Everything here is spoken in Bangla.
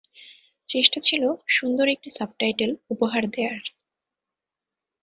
চেষ্টা ছিল সুন্দর একটি সাবটাইটেল উপহার দেয়ার।